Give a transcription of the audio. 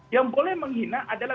yang boleh menghina adalah